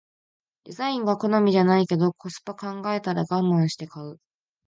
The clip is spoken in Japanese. デザインが好みじゃないけどコスパ考えたらガマンして買う